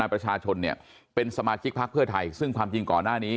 ประชาชนเนี่ยเป็นสมาชิกพักเพื่อไทยซึ่งความจริงก่อนหน้านี้